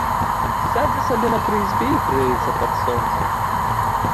Сядзе сабе на прызбе й грэецца пад сонца.